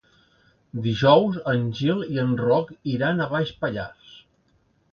Dijous en Gil i en Roc iran a Baix Pallars.